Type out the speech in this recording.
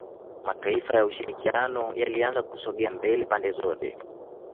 Mataifa ya ushirikiano yalianza kusogea mbele pande zote